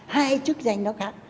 hai chức danh khác